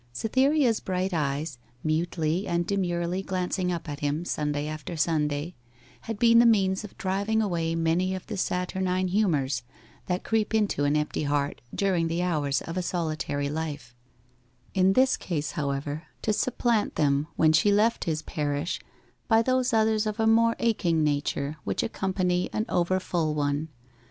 Cytherea's bright eyes, mutely and demurely glancing up at him Sunday after Sunday, had been the means of driving away many of the saturnine humours that creep into an empty heart during the hours of a solitary life; in this case, however, to supplant them, when she left his parish, by those others of a more aching nature which accompany an over full one.